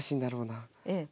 ええ。